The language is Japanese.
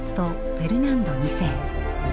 フェルナンド二世。